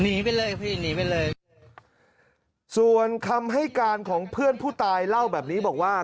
หนีไปเลยพี่หนีไปเลยส่วนคำให้การของเพื่อนผู้ตายเล่าแบบนี้บอกว่า